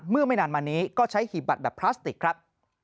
ไม่นานมานี้ก็ใช้หีบบัตรแบบพลาสติกครับ